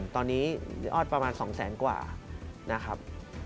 ๓๐๐๐๐ตอนนี้ออดประมาณ๒๐๐๐๐๐กว่านะครับ